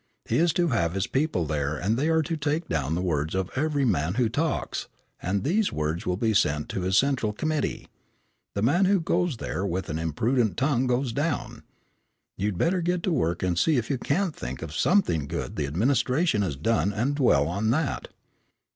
He is to have his people there and they are to take down the words of every man who talks, and these words will be sent to his central committee. The man who goes there with an imprudent tongue goes down. You'd better get to work and see if you can't think of something good the administration has done and dwell on that."